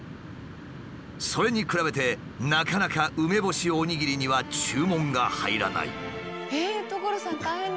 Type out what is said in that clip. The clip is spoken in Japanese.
それに比べてなかなか梅干しおにぎりには注文が入らない。